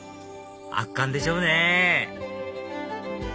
圧巻でしょうね